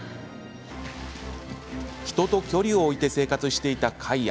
人と距離を置いて生活していたカイア。